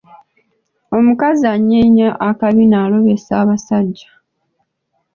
Omukazi anyeenya akabina alobesa abasajja.